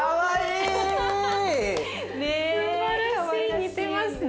似てますね。